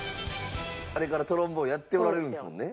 あれからトロンボーンやっておられるんですもんね？